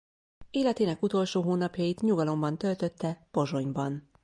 Életének utolsó hónapjait nyugalomban töltötte Pozsonyban.